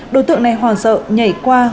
đối tượng này hoàng sợ nhảy qua